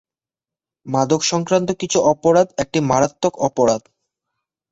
মাদক সংক্রান্ত কিছু অপরাধ একটি মারাত্মক অপরাধ।